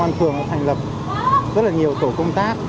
công an thường thành lập rất nhiều tổ công tác